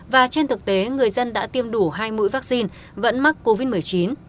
và trên thực tế người dân đã tiêm đủ hai mũi vaccine vẫn mắc covid một mươi chín